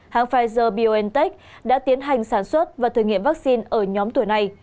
hãng pfizer biontech đã tiến hành sản xuất và thử nghiệm vaccine ở nhóm tuổi này